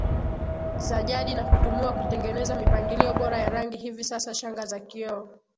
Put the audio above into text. za jadi na kutumiwa kutengeneza mipangilio bora ya rangi Hivi sasa shanga za kioo